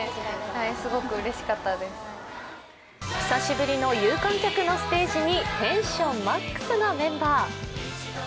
久しぶりの有観客のステージにテンションマックスのメンバー。